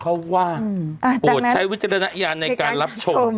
เขาว่าโปรดใช้วิจารณญาณในการรับชม